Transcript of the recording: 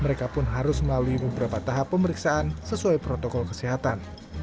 mereka pun harus melalui beberapa tahap pemeriksaan sesuai protokol kesehatan